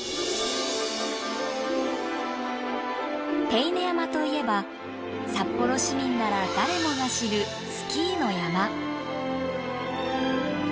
手稲山といえば札幌市民なら誰もが知るスキーの山。